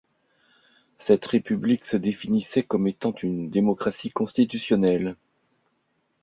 Cette république se définissait comme étant une démocratie constitutionnelle.